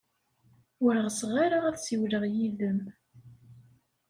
Ur ɣseɣ ara ad ssiwleɣ yid-m.